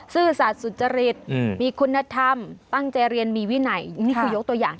ซื่อสัตว์สุจริตมีคุณธรรมตั้งใจเรียนมีวินัยนี่คือยกตัวอย่าง